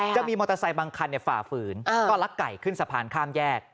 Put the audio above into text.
จะมีมอเตอร์ไซค์บางคันฝ่าฝืนก็ลักไก่ขึ้นสะพานข้ามแยก